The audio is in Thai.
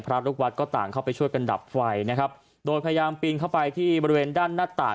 ลูกวัดก็ต่างเข้าไปช่วยกันดับไฟนะครับโดยพยายามปีนเข้าไปที่บริเวณด้านหน้าต่าง